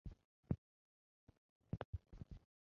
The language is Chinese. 哈柏法对于制造化肥和炸药很重要。